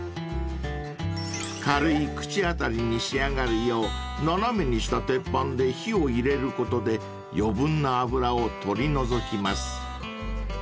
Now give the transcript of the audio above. ［軽い口当たりに仕上がるよう斜めにした鉄板で火を入れることで余分な脂を取り除きます］